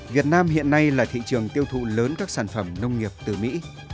việt nam hiện nay là thị trường tiêu thụ lớn các sản phẩm nông nghiệp từ mỹ